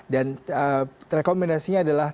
dan rekomendasinya adalah